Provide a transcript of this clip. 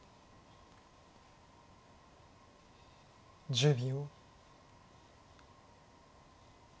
１０秒。